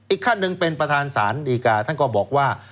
อีกขั้นหนึ่งเป็นประธานสารดีการท่านก็บอกว่า